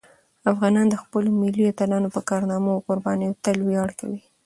افغانان د خپلو ملي اتلانو په کارنامو او قربانیو تل ویاړ کوي.